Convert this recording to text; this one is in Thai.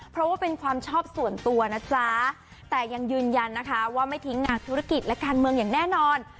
เพราะว่าเป็นความชอบส่วนตัวนะจ๊ะแต่ยังยืนยันนะคะว่าไม่ทิ้งงานธุรกิจและการเมืองอย่างแน่นอน